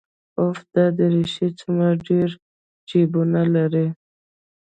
اوف دا دريشي څومره ډېر جيبونه لري.